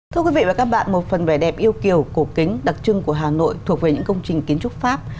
thưa quý vị và các bạn một phần vẻ đẹp yêu kiều cổ kính đặc trưng của hà nội thuộc về những công trình kiến trúc pháp